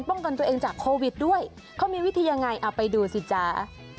ป้องกันตัวเองจากโควิดด้วยเขามีวิธียังไงเอาไปดูสิจ๊ะ